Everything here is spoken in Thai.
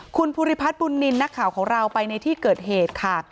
คุณภูริพัฒน์บุญนินทร์นักข่าวของเราไปในที่เกิดเหตุค่ะ